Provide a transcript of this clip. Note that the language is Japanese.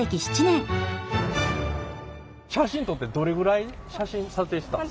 写真撮ってどれぐらい写真撮影したん？